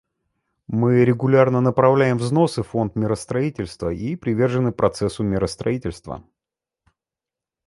Мы регулярно направляем взносы в Фонд миростроительства и привержены процессу миростроительства.